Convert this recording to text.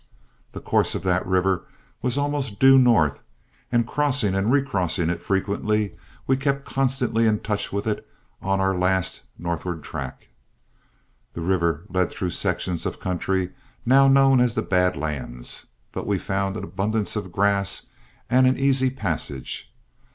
The course of that river was almost due north, and crossing and recrossing it frequently, we kept constantly in touch with it on our last northward tack. The river led through sections of country now known as the Bad Lands, but we found an abundance of grass and an easy passage.